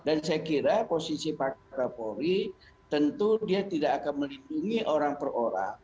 dan saya kira posisi pak raffori tentu dia tidak akan melindungi orang per orang